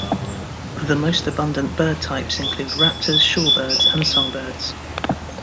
The most abundant bird types include raptors, shorebirds and songbirds.